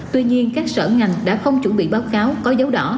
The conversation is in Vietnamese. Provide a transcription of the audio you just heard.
tuy nhiên các sở ngành đã không chuẩn bị báo cáo có dấu đỏ